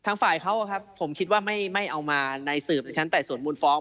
ฝ่ายเขาครับผมคิดว่าไม่เอามาในสืบในชั้นไต่สวนมูลฟ้อง